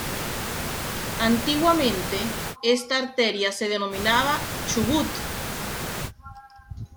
Antiguamente, esta arteria se denominaba Chubut.